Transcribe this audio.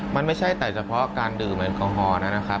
มันไม่ใช่แต่เฉพาะการดื่มแอลกอฮอล์นะครับ